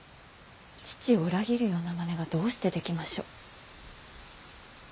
父を裏切るようなまねがどうしてできましょう。